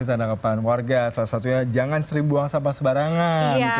kita menanggapkan warga salah satunya jangan sering buang sampah sebarangan